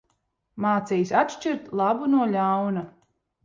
Mācījis atšķirt labu no ļauna.